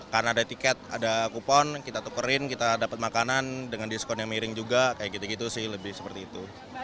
karena ada tiket ada kupon kita tukerin kita dapat makanan dengan diskon yang miring juga kayak gitu gitu sih lebih seperti itu